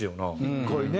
１回ね。